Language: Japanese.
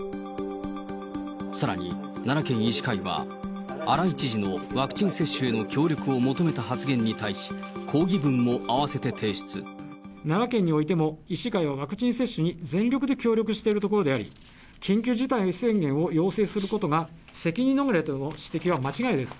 さらに奈良県医師会は、荒井知事のワクチン接種への協力を求めた発言に対し、奈良県においても、医師会はワクチン接種に全力で協力しているところであり、緊急事態宣言を要請することが責任逃れとの指摘は間違いです。